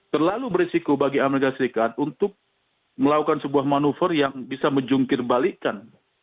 terlalu berisiko bagi amerika serikat untuk melakukan sebuah manuver yang bisa menjungkir balikan